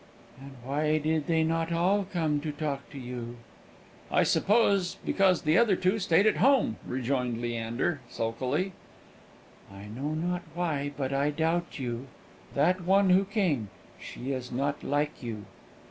"And why did they not all come to talk with you?" "I suppose because the other two stayed at home," rejoined Leander, sulkily. "I know not why, but I doubt you; that one who came, she is not like you!"